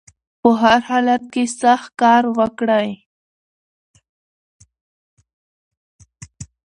په هر حالت کې سخت کار وکړئ